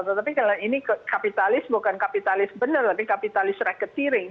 tetapi kalau ini kapitalis bukan kapitalis benar tapi kapitalis reketeering